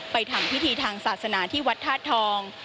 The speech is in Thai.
ทำพิธีทางศาสนาที่วัดธาตุทอง